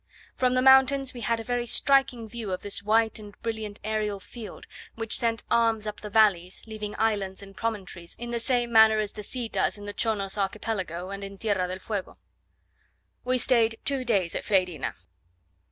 From the mountains we had a very striking view of this white and brilliant aerial field, which sent arms up the valleys, leaving islands and promontories in the same manner, as the sea does in the Chonos archipelago and in Tierra del Fuego. We stayed two days at Freyrina.